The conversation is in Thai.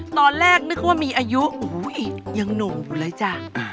ตอนแรกนึกว่ามีอายุโอ้โฮยยังหนูเลยจ้ะ